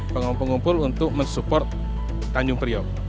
pengumpul pengumpul untuk mensupport tanjung priok